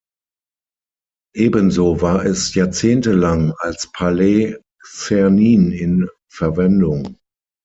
Ebenso war es Jahrzehnte lang als Palais Czernin in Verwendung.